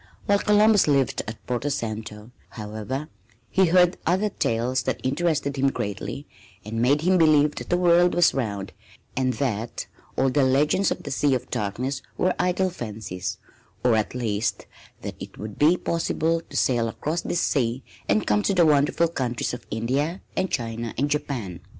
While Columbus lived at Porto Santo, however, he heard other tales that interested him greatly and made him believe that the world was round and that all the legends of the Sea of Darkness were idle fancies or at least that it would be possible to sail across this sea and come to the wonderful countries of India and China and Japan.